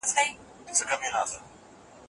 د هر چا خپله خپله خوښه